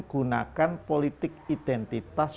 gunakan politik identitas